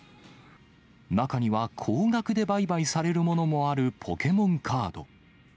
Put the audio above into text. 中には、高額で売買されるものもあるポケモンカード。